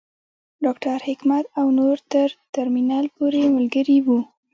ډاکټر حکمت او نور تر ترمینل پورې ملګري وو.